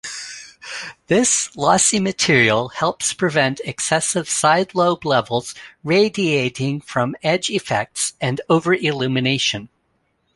This lossy material helps prevent excessive side-lobe levels radiating from edge effects and over-illumination.